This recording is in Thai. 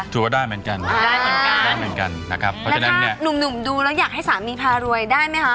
ถือว่าได้เหมือนกันนะครับเพราะฉะนั้นเนี่ยแล้วถ้าหนุ่มดูแล้วอยากให้สามีพารวยได้ไหมฮะ